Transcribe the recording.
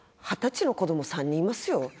二十歳の子ども３人いますよ？